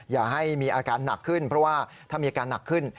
อย่าให้มีอาการหนักขึ้นเพราะว่าถ้ามีอาการหนักขึ้น